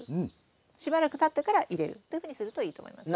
しばらくたってから入れるというふうにするといいと思います。